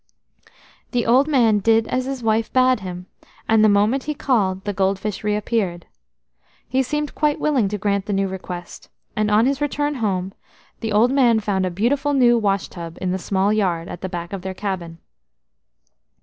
The old man did as his wife bade him, and the moment he called the gold fish reappeared. He seemed quite willing to grant the new request, and on his return home the old man found a beautiful new wash tub in the small yard at the back of their cabin.